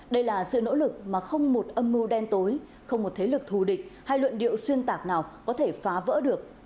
đây là sự nỗ lực mà không một âm mưu đen tối không một thế lực thù địch hay luận điệu xuyên tạc nào có thể phá vỡ được